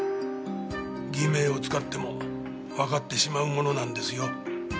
偽名を使ってもわかってしまうものなんですよ。